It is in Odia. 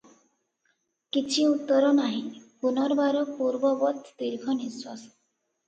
କିଛି ଉତ୍ତର ନାହିଁ, ପୁନର୍ବାର ପୂର୍ବବତ୍ ଦୀର୍ଘ ନିଶ୍ୱାସ ।